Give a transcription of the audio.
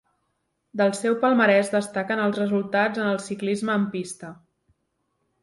Del seu palmarès destaquen els resultats en el ciclisme en pista.